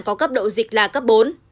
có cấp độ dịch là cấp bốn